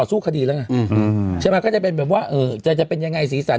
ต่อไปนี้ก็จะเธอแต่จะเป็นยังไงศีสัน